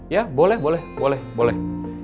ya boleh boleh boleh